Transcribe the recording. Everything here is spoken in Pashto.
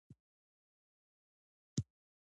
انجینران باید یوازې قانوني سندونه تایید کړي.